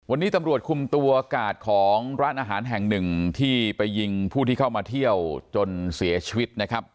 วันนี้ตำรวจคุมตัวกาดของร้านอาหารแห่งหนึ่งที่ไปยิงผู้ที่เข้ามาเที่ยวจนเสียชีวิตนะครับ